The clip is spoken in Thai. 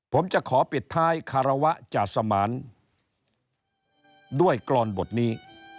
ผมจะขอปิดท้ายคารวะจาสมานด้วยกรอนบทนี้